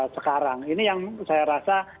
sekarang ini yang saya rasa